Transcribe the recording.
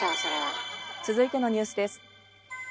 続いてのニュースです。